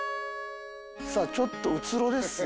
さぁちょっとうつろですよ。